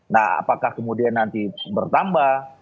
nah apakah kemudian nanti bertambah